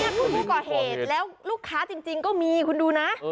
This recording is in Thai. ผู้ก่อเหตุแล้วลูกค้าจริงก็มีคุณดูนะ